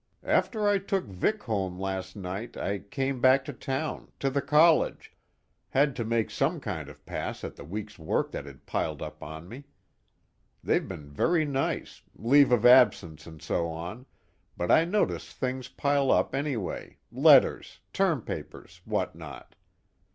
After I took Vic home last night I came back to town, to the college had to make some kind of pass at the week's work that's piled up on me they've been very nice, leave of absence and so on, but I notice things pile up anyway, letters, term papers, what not.